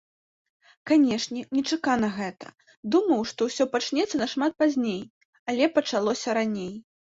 Канешне, нечакана гэта, думаў, што усё пачнецца нашмат пазней, але пачалося раней.